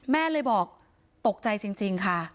แม่เลยบอกตกใจจริงค่ะ